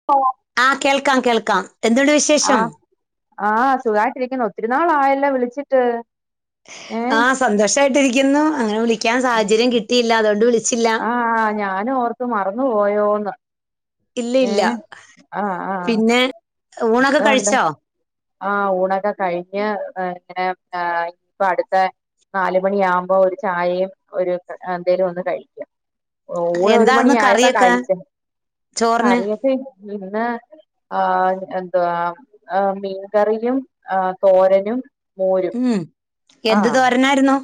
[unintelligible] ആഹ് കേൾക്കാം കേൾക്കാം എന്ത്ണ്ട്. വിശേ ആ് ആഹ സുഖായിട്ടിരിക്കുന്നു. ഒത്തിരിനാൾ ആയല്ലോ വിളിച്ചിട്ട്. ഏഹ് ആഹ സന്തോഷായിട്ടിരിക്കുന്നു. അങ്ങനെ വിളിക്കാൻ സാഹചര്യം കിട്ടിയില്ല. അതുകൊണ്ട് വിളിച്ചില്ല. ആ് ഞാനും ഓർത്ത് മറന്നു പോയോന്ന്. ഇല്ല ഇല്ല ഏഹ് പിന്നെ. ഊണൊക്കെ അതൊണ്ട്. കഴിച്ചോ ആ ഊണൊക്കെ കഴിഞ്ഞ് ഇങ്ങനെ ഇയിപ്പൊ അടുത്ത നാല് മണിയാുമ്പോൾ ഒരു ചായയും ഒരു എന്തേലും ഒന്ന് കഴിക്ക. ഊണ് ഒരു മണി എന്തായിരുന്നു ആയപ്പാ കറിയൊക്കെ കഴിച്ചേ ചോറിന് അറിയത്ത. ഉന്ന ആഹ എന്തവാ മീൻകറിയും ആ തോരനും മോര്. ഉം എന്ത് തോരണായിരുന്നു.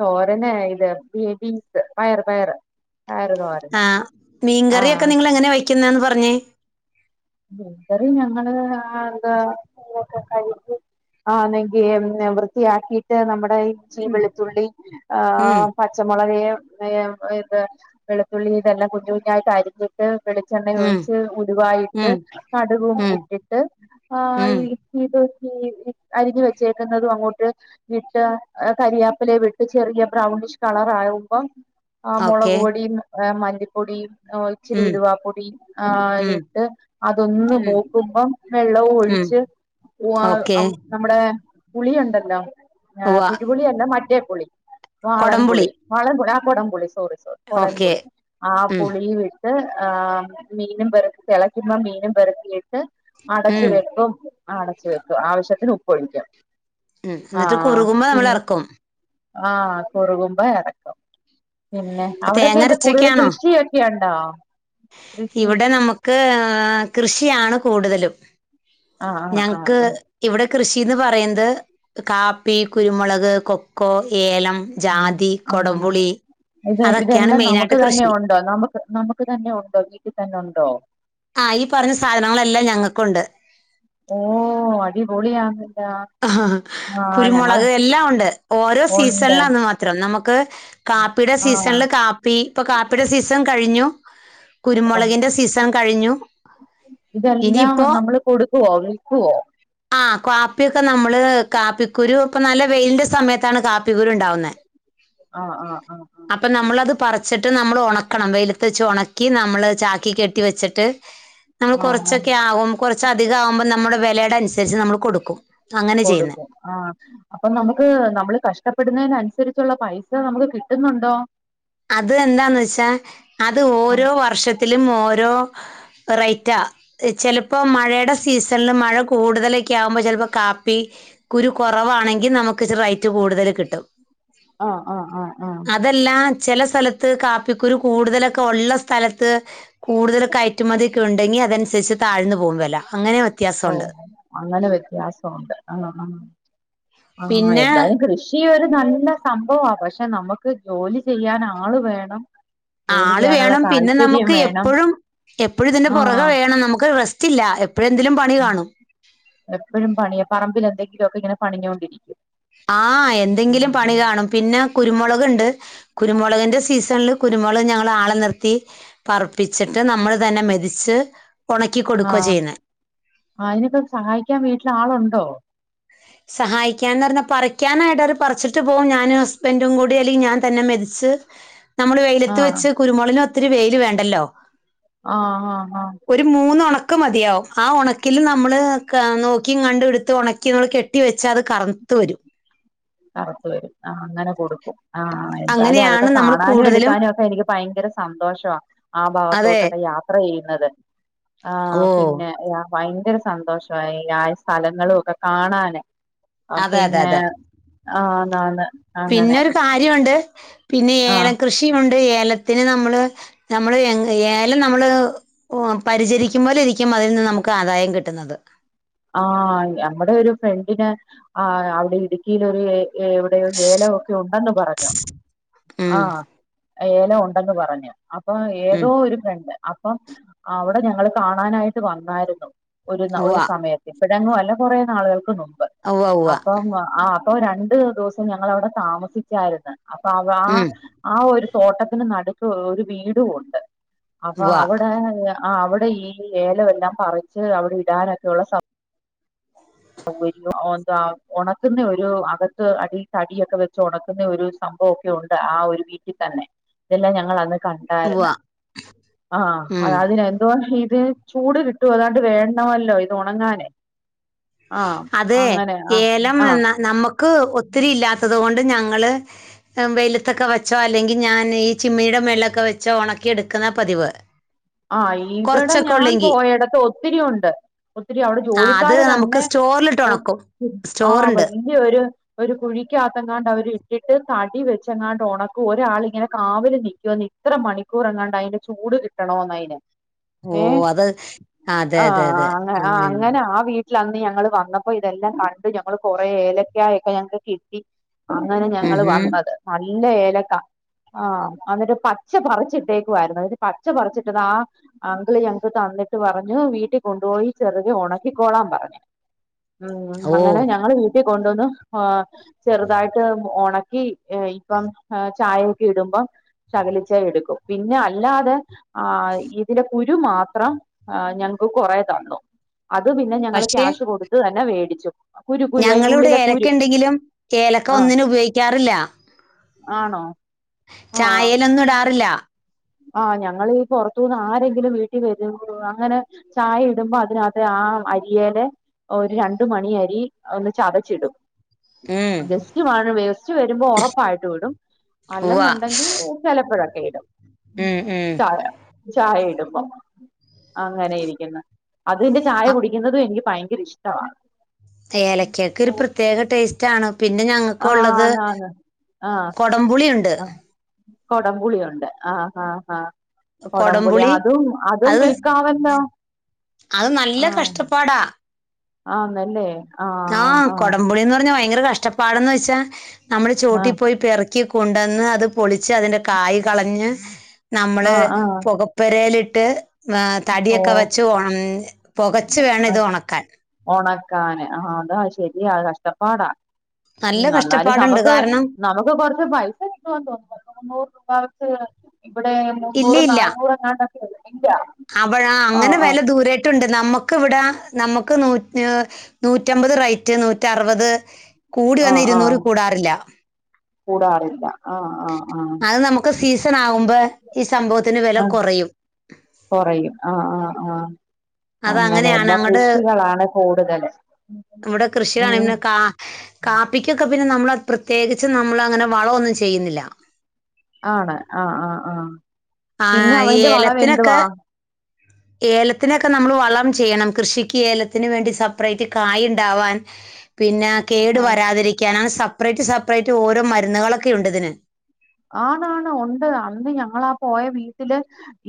തോരന് ഇത് ബേബീസ് പയറ് പയറ് പയറ് തോര ആഹ മീൻകറിയൊക്കെ നിങ്ങള് എങ്ങനെയാ വയ്ക്കുന്നന്ന് പറഞ്ഞേ മീൻ കറി ഞങ്ങള് ആ എന്താക്കെ കഴി. ആന്നെങ്കി വൃത്തിയാക്കിട്ട് നമ്മുടെ ഇച്ചി വെളുത്തുള്ളി ആ ഉം ഉം പച് പച്ചമുളക് ഏ ഇത് വെളുത്തുള്ളി ഇതെല്ലാം കുഞ്ഞു കുഞ്ഞായിട്ടരിഞ്ഞ് വെളിച്ചെണ്ണ ഉം ഒഴിച്ച് ഉലുവായി ഉം കടുകും ഉം ഇട്ടിട്ട് ആ ഉം ഇത് ഈ അരിഞ്ഞ് വെച്ചേക്കുന്നതും അങ്ങോട്ട് ഇട്ട് കരിയാപ്പലേവിട്ട് ചെറിയ ബ്രൗണിഷ് കളറാകുമ്പം ആ ഓക്കെ മുളക് പൊടിയും മല്ലിപ്പൊടിയും ഇച്ചിരി ഉം ഉലുവപ്പൊടി ആ ഉം ഇട്ട് ഒന്നു ഉം മൂക്കുമ്പം വെള്ളവും ഉം ഒഴിച്ച് ഓക്കെ നമ്മുടെ പുളിയൊണ്ടല്ലോ ആഹ് ഉവ്വ പിഴുപുളി അല്ല മറ്റേ പുളി കൊടംപുളി വാളൻപുളി വാളൻപുളി ആ കൊടംപുളി സോറി സോറി. ഓക്കെ കൊടൻപുളി ആ ഉം പുളിയുവിട്ട് ആ മീനും പരത്തി തെള ക്കുമ്പ മീനും പരത്തിയിട്ട് ഉം അടച്ചുവെക്കും ആ അടച്ചു വെക്കും ആവശ്യത്തിന് ഉപ്പൊഴിക്കും. ഉം എന്നിട്ട് ആഹ് കുറുകുമ്പോ പിന്നെ നമ്മളെറക്കും ആഹ് കുറുകുമ്പോ എറക്കും പിന്നെ അവിടൊക്കെ തേങ്ങ എന്താ കൂടുതൽ അരച്ചൊക്കെയാണോ കൃഷിയൊ യൊണ്ടോ ഇവിടെ നമുക്ക് കൃഷിയാണ് കൂടുതലും. ആഹ് ആഹ് ഞങ്ങക്ക് ആഹ് ഇവിടെ കൃഷീന്ന് പറയുന്നത് കാപ്പി കുരുമുളക് കൊക്കോ ഏലം. ആഹ് ജാതി ആഹ് കൊടംപുളി ഇത് അതൊക്കെയാണ് ഇതെല്ലാം നമുക്ക് മെയിനായിട്ട് തന്നെ കൃഷി. ഉണ്ടോ നമുക്ക് നമുക്ക് തന്നെ ഉണ്ടോ വീട്ടി തന്നൊണ്ടോ. ആഹ് ഈ പറഞ്ഞ സാധനങ്ങളെല്ലാം ഞങ്ങക്കുണ്ട്. ഓ അടിപൊളിയാന്നല്ലാ. കുരുമുളക് എല്ലാം ഉണ്ട് ഓരോ ഉണ്ട് സീസണിലാന്ന് മാത്രം. നമുക്ക് കാപ്പിയുടെ ആഹ് സീസണില് കാപ്പി ഇപ്പൊ കാപ്പിയുടെ സീസൺ കഴിഞ്ഞു. അപ്പൊ കുരുമൊളകിന്റെ സീസൺ കഴിഞ്ഞു ഇനിയിപ്പോ. ക്കുവോ വിൽക്ക്വോ ആഹ് കാപ്പ്യൊക്കെ നമ്മള് കാപ്പിക്കുരു ഇപ്പൊ നല്ല വെയിലിന്റെ സമയത്താണ് കാപ്പിക്കുരു ഇണ്ടാവുന്നേ ആഹ് ആഹ് ആഹ് അപ്പൊ നമ്മളത് പറിച്ചിട്ട് നമ്മള് ഒണക്കണം വെയ്ലത്ത് വച്ച് ഒണക്കി നമ്മള് ചാക്കി കെട്ടി വെച്ചിട്ട് നമ്മള് ആഹ് ആഹ് കൊറച്ചൊക്കെ ആകും കൊറച്ച് അധികം ആവുമ്പോ നമ്മുടെ വെലേടെ അനുസരിച്ച് നമ്മള് കൊടുക്കും അങ്ങനെ ചെയ്യുന്നത് കൊടുക്കും ആഹ് അപ്പൊ നമുക്ക് നമ്മള് കഷ്ടപ്പെടുന്നേനനുസരിച്ചുള്ള പൈസ നമുക്ക് കിട്ടുന്നുണ്ടോ അത് എന്താന്ന് വെച്ചാ അത് ആഹ് ഓരോ വർഷത്തിലും ഓരോ റേറ്റാ ചെലപ്പോ മഴേടെ സീസണില് മഴ കൂടുതലൊക്കെ ആവുമ്പോ ചെലപ്പോ കാപ്പി കുരു കൊറവാണെങ്കി നമുക്കിച്ചി റേറ്റ് കൂടുതല് കിട്ടും ആഹ് ആഹ് ആഹ് ആഹ് ല്ലാ ചെല സ്ഥലത്ത് കാപ്പിക്കുരു കൂടുതലൊക്കെ ഒള്ള സ്ഥലത്ത് കൂടുതല് കയറ്റുമതിക്കെ ഉണ്ടെങ്കി അതനുസരിച്ച് താഴ്ന്ന് പോവും വെല അങ്ങനെ ഓ വ്യത്യാസമുണ്ട്. അങ്ങനെ വ്യത്യാസോണ്ട് ആഹ് ആഹ് ആഹ് പിന്നെ എന്തായാലും കൃഷി ഈ ഒരു നല്ല സംഭവാ പക്ഷെ നമുക്ക് ജോലി ചെയ്യാൻ ആള് വേണം ജോലി ആള് ചെയ്യാനുള്ള വേണം പിന്നെ താല്പര്യം നമുക്ക് വേണം എപ്പഴും എപ്പഴും ഇതിന്റെ പൊറകെ ആഹ് വേണം നമുക്ക് റെസ്റ്റില്ല എപ് എപ്പഴും എന്തേലും പണി കാണും എപ്പഴും പണ്യാ പറമ്പിലെന്തെങ്കിലും ഒക്കെ ഇങ്ങനെ പണിഞ്ഞോണ്ടിരിക്കും ആഹ് എന്തെങ്കിലും പണി കാണും പിന്നെ കുരുമൊളക് ഇണ്ട് കുരുമൊളകിന്റെ സീസണില് കുരുമൊളക് ഞങ്ങള് ആളെ നിർത്തി പർപ്പിച്ചിട്ട് നമ്മള് തന്നെ മെതിച്ച് ഒണക്കി കൊടുക്കാ ചെയ്യുന്നേ അയിനൊക്കെ സഹായിക്കാൻ വീട്ടില് ആളൊണ്ടോ സഹായിക്കാന്നറഞ്ഞാൽ പറിക്കാനായിട്ട് അവര് പറിച്ചിട്ട് പോവും ഞാന് സ് ബന്റും കൂടി അല്ലെങ്കി ഞാൻ തന്നെ മെതിച്ച് നമ്മള് വെയിലത്ത് ആഹ് വെച്ച് കുരുമൊളിന് ഒത്തിരി വെയില് വേണ്ടല്ലോ ആഹ് ആഹ് ആഹ് ഒരു മൂന്ന് ഒണക്ക് മതിയാവും ആ ഒണക്കില് നമ്മള് അ നോക്കി കണ്ട് ഇടുത്ത് ഒണക്കി മ്മള് കെ ട്ടി വെച്ച അത് കറുത്തു വരും കറുപ്പ് വരും ആഹ് അങ്ങനെ കൊടുക്കും ആഹ് എന്തായാലും അതൊക്കെ അങ്ങനെയാണ് നമ്മൾ കാണാനും കൂടുതലും എടുക്കാനും ഒക്കെ എനിക്ക് ഭയങ്കര സന്തോഷവാ ആ അതെ ഭാഗത്തോട്ടൊക്കെയാ ത്ര ചെയ്യുന്നത് ഓ ആഹ് പിന്നെ യാ ഭയങ്കര സന്തോഷവാ ഈ ആ സ്ഥലങ്ങളൊക്കെ കാണാന് അതെ അതെ പിന്നെ ആഹ് ആന്ന് ആന്ന് പിന്നൊരു കാര്യോണ്ട് പിന്നെ ആഹ് ഏലം കൃഷിയുണ്ട് ഏലത്തിന് നമ്മള് നമ്മള് യങ്ങ് ഏലം നമ്മള് പരിചരിക്കുമ്പോലെ ഇരിക്കും അതിന്ന് നമുക്ക് ആദായം കിട്ടുന്നത് ആഹ് ഞമ്മടെ ഒരു ഫ്രണ്ടിന് ആഹ് അവടെ ഇടുക്കിയിലൊരു ഏ എവിടെയോ ഏലവൊക്കെ ഉണ്ടെന്ന് പറഞ്ഞു ഉം ആഹ് ഏലം ഉണ്ടെന്ന് പറഞ്ഞു അപ്പൊ ഏതോ ഉം ഒരു ഫ്രണ്ട് അപ്പം അവിടെ ഞങ്ങള് കാണാനായിട്ട് വന്നായിരുന്നു ഒരു ഒരു ഉവ്വ സമയത്ത് ഇപ്പഴെങ്ങും അല്ല കൊറേ നാളുകൾക്ക് മുമ്പ് ഉവ്വ ഉവ്വ അപ്പം ആ അപ്പോ രണ്ട് ദൂസം ഞങ്ങളവിടെ താമസിച്ചായിരുന്നു അപ്പൊ അവ ആ ഉം ആ ഒരു തോട്ടത്തിന് നടുക്ക് ഒരു വീടും ഉണ്ട് അപ്പൊ ഉവ്വ അവിടെ ആഹ് അവിടെ ഈ ഏലവെല്ലാം പറിച്ച് അവിടെ ഇടാനൊക്കെ ഉള്ള സം സൗവര്യോ എന്താ ഒണക്കുന്ന ഒരു അകത്ത് അടി തടിയൊക്കെ വെച്ച് ഒണക്കുന്ന ഒരു സംഭവൊക്കെ ഉണ്ട് ആ ഒരു വീട്ടിൽ തന്നെ ഇതെല്ലാം ഞങ്ങൾ അന്ന് ക ഉവ്വ ണ്ടായിരുന്ന് ആഹ് ഉം അത് അതിന് എന്തോ ഇത് ചൂട് കിട്ടുവ തോണ്ട് വേണമല്ലോ ഇത് ഒണങ്ങാന് അതെ ആഹ് ഏലം ആഹ് ന നമ്മക്ക് ഒത്തിരി ഇല്ലാത്തത് കൊണ്ട് ഞങ്ങള് വെയിലത്തൊക്കെ വെച്ചോ അല്ലെങ്കിൽ ഞാൻ ഈ ചിമ്മിയുടെ മേളിലെക്കെ വെച്ചോ ഉണക്കിയെടുക്കുന്ന പതിവ്. ആ. ഇവിടെ കുറച്ചൊക്കെ ഞാൻ ഉള്ളെങ്കി പോയടത്ത് ഒത്തിരി ഉണ്ട്. ഒത്തിരി അവിടെ ആ അത് ജോലിക്കാര് നമുക്ക് തന്നെ സ്റ്റോറിലിട്ട് ഉണക്കും ആ സ്റ്റോറുണ്ട് വലിയ ഒരു ഒരു കുഴിക്കകത്തങ്ങാണ്ട് അവര് ഇട്ടിട്ട് തടി വെച്ചെങ്ങാണ്ട് ഉണക്കും ഒരാൾ ഇങ്ങനെ കാവൽ നൽക്കുവോ ന ഇത്ര മണിക്കൂർ എങ്ങാണ്ട് അതിന്റെ ചൂട് കിട്ടണോന്ന് അതിന്. ഓ ഏഹ് അത് അതെ അതെ അതെ ആഹ് അ ആ അങ്ങനെയുണ്ട് അങ്ങനെ ആ വീട്ട ലന്ന് ഞങ്ങള് വന്നപ്പോ ഇതെല്ലാം കണ്ട് ഞങ്ങള് കൊറെ ഏലക്കായ് ഒക്കെ ഞങ്ങക്ക് കിട്ടി. അങ്ങനെ ഉം ഞങ്ങള് ഹും വന്നത്. നല്ല ഏലക്ക ആ അന്നരു പച്ച പറിച്ചിട്ടേക്കുവായിരുന്നു. അ പച്ച പറിച്ചിട്ട്താ അങ്കിള് ഞങ്ങക്ക് തന്നിട്ട് പറഞ്ഞു വീട്ടിൽ കൊണ്ടുപോയി ചെറുകെ ഉണക്കിക്കോളാൻ പറഞ്ഞു. ഉം ഓ അങ്ങനെ ഞങ്ങള് വീട്ടിൽ കൊണ്ടുവന്ന് ആ ചെറുതായിട്ട് ഉണക്കി ഇപ്പം ചായയൊക്കെ ഇടുമ്പം ശകലിച്ചേഎടുക്കും. പിന്നെ അല്ലാതെ ആ ഇതിലെ കുരു മാത്രം ആ ഞങ്ങക്ക് കുറെ തന്നു. അത് പിന്നെ ഞങ്ങള് പക്ഷെ ക്യാഷ് കൊടുത്ത് തന്നെ മേടിച്ചു. ഞങ്ങളിവിടെ ഏലക്ക ഉണ്ടെങ്കിലും ഏലക്ക ആ ഒന്നിനുംഉപയോഗിക്കാറില്ല. ആണോ? ചായയിലൊന്നും ഇടാറില്ല. ആഹ് ഞങ്ങള് ഈ പുറത്തു നിന്ന് ആരെങ്കിലും വീട്ടിൽ വരുന്നോർക്ക്അങ്ങനെ ചായ ഇടുമ്പോ അതിനകത്ത് ആ അരിയിടെ ഒരു രണ്ടു മണിയരി ഒന്ന് ചതച്ചിടും. ഉം ഗെസ്റ്റ് വാഴവേസ്റ്റ് വരുമ്പോ ഉറപ്പായിട്ട് ഇടും ഉവ്വ അല്ലെന്നുണ്ടെങ്കി ഒ- ചിലപ്പഴൊക്കെ ഇടും. ഉം ഉം ചായ ചായ ഇടുമ്പം. അങ്ങനെ ഇരിക്കുന്നു. അതിന്റെ ചായ കുടിക്കുന്നതും എനിക്ക് ഭയങ്കര ഇഷ്ടവാ. ഏലക്കാക്ക് ഒരു പ്രത്യേക ടേസ്റ്റാണ്. പിന്നെ ആ ഞങ്ങക്കൊള്ളത് ആന്ന് ആന്ന് ആ കൊടംപുളിയുണ്ട്. ആ കൊടംപുളിയുണ്ട്. ആഹ് ഹാ ഹാ കൊടംപുളി അതും അതും അത് വിൽക്കാ വല്ലോ? അത് നല്ല കഷ്ടപ്പാടാ. ആന്നല്ലേ? ആഹ് ആഹ്‌ ആഹ് കൊടംപുളിന്ന് പറഞ്ഞാ ഭയങ്കര കഷ്ടപ്പാടെന്ന് വെച്ചാ നമ്മള് ചോട്ടി ആഹ് പോയി പെറ- ക്കി കൊണ്ടന്ന് അത് പൊളിച്ച് അതിന്റെ കായ് കളഞ്ഞ് നമ്മള് ആഹ് ആഹ് പൊക പെരേലിട്ട് ആഹ്‌ ഓ തടിയൊക്കെ വെച്ച് ഒണ ഒണക്കാന്. ആ അതാ ശെരിയാ കഷ്ടപ്പാടാ. ഉം നല്ല ന്നന്നാലും കഷ്ടപ്പാടുണ്ട് നമ്മുക്ക് കാരണം നമ്മുക്ക് കൊറച്ച് പൈസ കിട്ടുവന്ന് തോന്നുന്നു. മുന്നൂറ് രൂപ വച്ച് ഇവിടെ മുന്നൂറ് നാന്നൂറ് [unintelligible] അപഞാ അങ്ങനെ വെല ദൂരെ ക്ക്‌ണ്ട്. നമ്മക്ക് വിടെ നമ്മുക്ക് നൂ നൂറ്റമ്പത് റേറ്റ് നൂറ്ററുപത് കൂടി വന്നാ ആഹ് ആഹ് ഇരുന്നൂറികൂടാറില്ല. കൂടാറില്ല. ആ ആ ആഹ് അത് നമുക്ക് സീസണാകുമ്പോ ഈ സംഭവത്തിന് വെല ആഹ് കൊറയും. കൊറയും ആഹ്‌ ആഹ് ആഹ് അത് അങ്ങനെ. അങ്ങനെയാണ് എല്ലാ അങ്ങോട്ട് കൃഷികളാണ് കൂടുതല്. ഇവിടെ കൃഷി ഉം കാണുന്ന കാ കാപ്പിക്കൊക്കെ പിന്നെ നമ്മൾ പ്രത്യേകിച്ച് നമ്മൾ അങ്ങനെ വളവൊന്നും ചെയ്യുന്നില്ല. ആണ് ആഹ്‌ ആഹ് ആഹ്‌ ആ പിന്നെ അവന്റെ ഏലത്തിനൊക്കെ വളവെന്തുവാ? ഏലത്തിനൊക്കെ നമ്മൾ വളം ചെയ്യണം കൃഷിക്ക് ഏലത്തിന് വേണ്ടി സപ്പറേറ്റ് കായിണ്ടാവാൻ. പിന്ന കേട് ആഹ് വരാതിരിക്കാൻ അങ്ങനെ സപ്പറേറ്റ് സപ്പറേറ്റ് ഓരോ മരുന്നുകളൊക്കെ ഉണ്ട് ഇതിന്. ആണാണ് ഉണ്ട് അന്ന് ഞങ്ങളാ പോയ വീട്ടില്.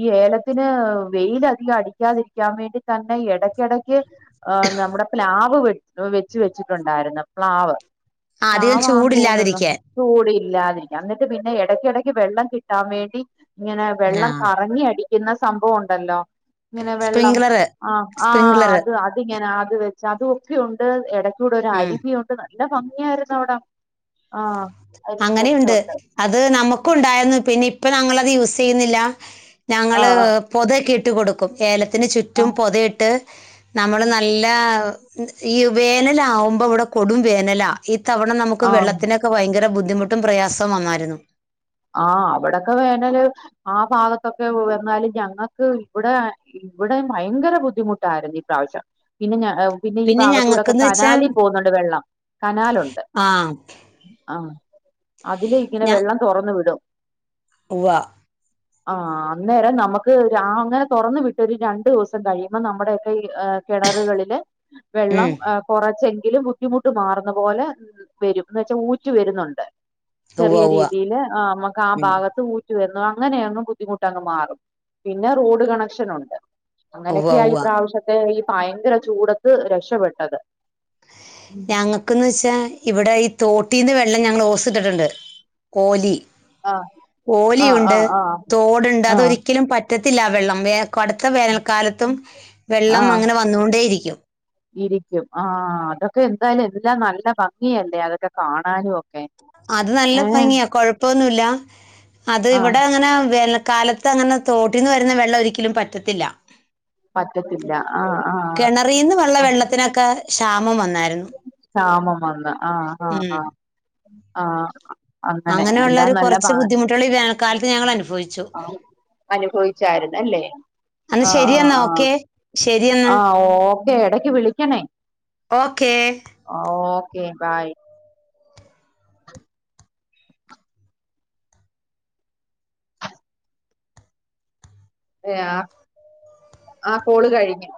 ഈ ഏലത്തിന് വെയിലധികം അടിക്കാതിരിക്കാൻ വേണ്ടി തന്നെ എടക്കെടക്ക്. നമ്മുടെ പ് ലാവ് വെ വെച്ച് വെച്ചിട്ടുണ്ടായിരുന്നു പ്ലാവ്. ആ, അധികം പ്ലാവാങ്കോന്നുന്നു. ചൂടില്ലാതിരിക്കാൻ ചൂട് ഇല്ലാതിരിക്കണം. ന്നിട്ട് പിന്നെ എടക്കെടക്ക് വെള്ളം കിട്ടാൻ വേണ്ടി. ഇങ്ങനെ ആ വെള്ളം കറങ്ങി അടിക്കുന്ന സംഭവം ണ്ടല്ലോ? ങ്ങനെ വെള്ളം സ്പ്രിംഗ്ലർ ആ സ്പ്രിംഗ്ലർ ആഹ്‌ അത്. ങ്ങനെ അത് വെച്ച് അതൊ ഒക്കെ ഉണ്ട് ഇടകൂടെ ഒരു ഉം അരിവിയുണ്ട്. നല്ല ഭംഗിയായിരുന്നു അവിട, ആ അരുവിയൊക്കെ അങ്ങനെയുണ്ട് ഉണ്ട്. അത് നമുക്കുണ്ടായിരുന്നു, പിന്നെ ഇപ്പ ഞങ്ങളത് യൂസെയ്യുന്നില്ല ഞങ്ങള്. ആഹ് പൊതെ ക്കിട്ട് കൊടുക്കും ഏല ത്തിന് ചുറ്റും ആഹ് പൊത ഇട്ട് നമ്മള് നല്ല ഈ വേനലാവുമ്പവടെ കൊടും വേനല, ഈ തവണ നമുക്ക് ആഹ് വെള്ളത്തിനൊക്. ക്ക ഭയങ്കര ബുദ്ധിമുട്ടും പ്രയാസവും വന്നായിരുന്നു. ആ അവിടൊക്കെ വേനല് ആ ഭാഗത്തൊക്കെ വന്നാല് ഞങ്ങക്ക് ഇവിടെ. ഇവിടെ ഭയങ്കര ബുദ്ധിമുട്ടായിരുന്നു ഈ പ്രാവശ്യം പിന്നെ ഞ. പിന്നെ ഈ ഭാഗത്തൂടൊക്കെ ഞങ്ങൾക്കെന്ന് വെച്ചാൽ കനാലി പോകുന്നുണ്ട് വെള്ളം കനാലുണ്ട്. ആ അഹ്‌ അതിലിരിക്ക്ണ വെള്ളം തൊറന്ന് വിടും. ഉവ്വാ - ആഹ്‌ അന്നേരം നമുക്ക് രാ അങ്ങനെ തൊറന്ന് വിട്ടരു രണ്ടു ദിവസം കഴിയുമ്പോ നമ്മുടൊയൊക്കെ ഇ ഏഹ്. കെണറുകളില്. വെള്ളം ഉം കുറച്ചെങ്കിലും ബുദ്ധിമുട്ട് മാറുന്ന പോലെ വരും എന്ന് വെച്ചാൽ ഊറ്റു വരുന്നുണ്ട് ഉവ്വ് ഉവ്വാ പിന്നെമക്ക് ആ ഭാഗത്ത് ത്ത് ഊറ്റി വരുന്നു അങ്ങനെ അങ്ങ് ബുദ്ധിമുട്ട് അങ്ങ് മാറും പിന്നെ റോഡ് കണക്ഷൻ ഉണ്ട് ഉവ്വ അങ്ങനെയൊക്കെയാ ഈ ഉവ്വ പ്രാവശ്യത്തെ ഈ ഭയങ്കര ചൂടത്ത് രക്ഷപെട്ടത് ഞങ്ങക്ക്ന്ന് വെച്ചാ ഇവിടെ ഈ തോട്ടീന്ന് വെള്ളം ഞങ്ങൾ ഓസിട്ടിട്ടുണ്ട് കോലി ആഹ് ആഹ് ഓലിയുണ്ട് ആഹ് ആഹ് തോടുണ്ട് ആഹ് അതൊരിക്കലും പറ്റ റ്റത്തില്ല വെള്ളം വേ കടുത്ത വേനൽക്കാലത്തും വെള്ളം ആഹ് അങ്ങനെ വന്നുകൊണ്ടേയിരിക്കും ഇരിക്കും ആ അതൊക്കെ എന്തായാലും എല്ലാം നല്ല ഭംഗിയല്ലേ അതൊക്കെ കാണാനും ഒക്കെ അത് നല്ല ഏഹ് ഭംഗിയാ കൊഴപ്പൊന്നുല്ല അത് ആഹ് ഇവിടെ അങ്ങനെ വെ കാലത്ത് അങ്ങനെ തോട്ടീന്ന് വരുന്ന വെള്ളം ഒരിക്കലും പറ്റത്തില്ല. വറ്റത്തില്ല. കിണറിന്ന് വെള്ള വെള്ളത്തിനൊക്കെ ക്ഷാമം വന്നായിരുന്നു. ക്ഷാമം വന്ന് ആഹ ഉം ആഹ് അങ്ങനെ അങ്ങനെയുള്ള എല്ലാം ഒരു നല്ല ഭ കുറച്ച് ബുദ്ധിമുട്ടുകൾ ഈ വേനൽക്കാലത്ത് ഞങ്ങൾ അനുഭവിച്ചു. അനുഭവിച്ചായിരുന്നു അല്ലേ അന്ന് ആ ശരിയെന്നാ ആഹ് ഓക്കെ ശരിയെന്നാ ആഹ് ആഹ് ഓ എടക്ക് വിളിക്കണേ ഓക്കേ ഓക്കേ ബായ് ഏ ആഹ് കോള് കഴിഞ്ഞു